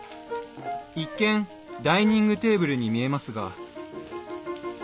一見ダイニングテーブルに見えますが。